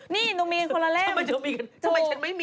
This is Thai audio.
นี่ก็บอกว่านายจ้างสาบ